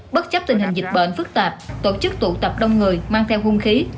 bất chấp tình hình dịch bệnh phức tạp tổ chức tụ tập đông người mang theo hung khí